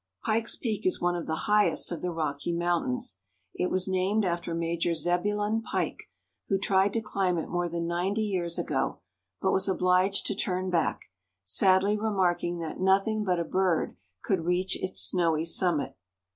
Pikes Peak is one of the highest of the Rocky Moun tains. It was named after Major Zebulon Pike, who tried to climb it more than ninety years ago, but was obliged to turn back, sadly remarking that nothing but a bird could reach its snowy summit.